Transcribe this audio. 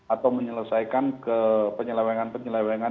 atau menyelesaikan kepenyelewengan penyelewengan